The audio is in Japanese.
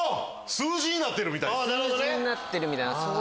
数字になってるみたいな。